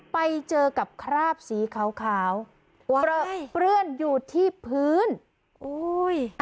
ไปเจอกับคราบสีขาวขาวเปลื้อเปื้อนอยู่ที่พื้นโอ้ย